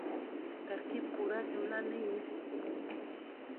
ترکیب پوره جمله نه يي.